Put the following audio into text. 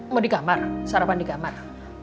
mau di kamar sarapan di kamar